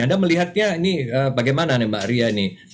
anda melihatnya ini bagaimana mbak ria